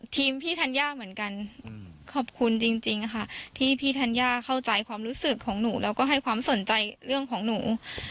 พี่ธัญญาเหมือนกันขอบคุณจริงค่ะที่พี่ธัญญาเข้าใจความรู้สึกของหนูแล้วก็ให้ความสนใจเรื่องของหนู